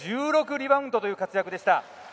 リバウンドという活躍でした。